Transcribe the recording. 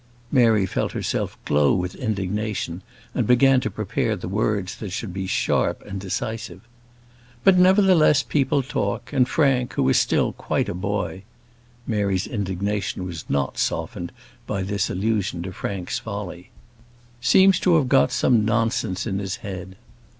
Mary felt herself glow with indignation, and began to prepare words that should be sharp and decisive. "But, nevertheless, people talk; and Frank, who is still quite a boy" (Mary's indignation was not softened by this allusion to Frank's folly), "seems to have got some nonsense in his head.